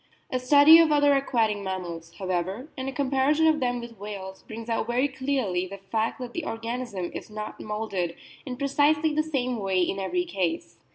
A study of other aquatic mammals, however, and a comparison of them with whales, brings out very clearly the fact that the organism is not moulded in precisely the same way in every case.